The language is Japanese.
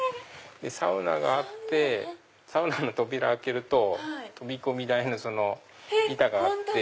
サウナがあってサウナの扉開けると飛び込み台の板があって。